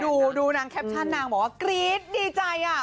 ดูนางแคปชั่นนางบอกว่ากรี๊ดดีใจอ่ะ